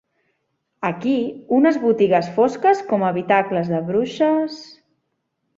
Aquí, unes botigues fosques com habitacles de bruixes…